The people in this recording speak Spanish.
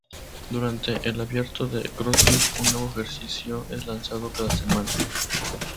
Durante el "Abierto de CrossFit", un nuevo ejercicio es lanzado cada semana.